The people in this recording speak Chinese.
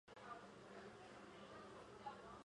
活塞在循环期间进行往复运动时。